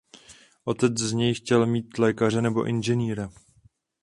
Otec z něj chtěl mít lékaře nebo inženýra.